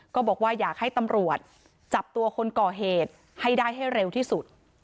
ก็บอกว่าอยากให้ตำรวจจับตัวคนก่อเหตุให้ได้ให้เร็วที่สุด